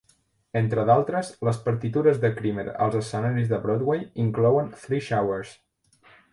Entre d'altres, les partitures de Creamer als escenaris de Broadway inclouen "Three Showers".